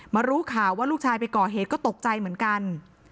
รู้ข่าวว่าลูกชายไปก่อเหตุก็ตกใจเหมือนกัน